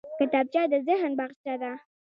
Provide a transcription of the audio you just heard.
کتابچه د ذهن باغچه ده